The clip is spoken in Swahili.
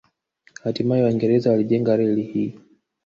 Hatimae Waingereza waliijenga reli hii